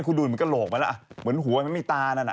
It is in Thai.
คุณดูเหมือนกระโหลกไปแล้วอ่ะเหมือนหัวมันมีตานั่นอ่ะ